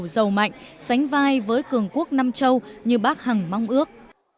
giàu mạnh sánh vai với cường quốc nam châu như bác hằng mong ước